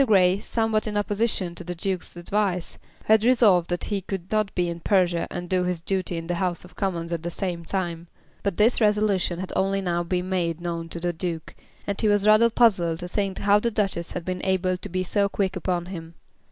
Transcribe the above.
Grey, somewhat in opposition to the Duke's advice, had resolved that he could not be in Persia and do his duty in the House of Commons at the same time. But this resolution had only now been made known to the Duke, and he was rather puzzled to think how the Duchess had been able to be so quick upon him.